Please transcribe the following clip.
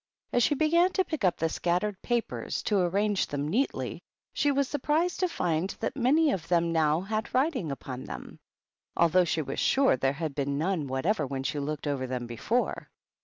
As she began to pick up the scattered papers to arrange them neatly, she was surprised to j&nd that many of them now had writing upon them, although she was sure there had been none what ever when she looked over them before.